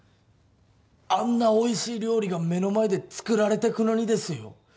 あんなおいしい料理が目の前で作られてくのにですよ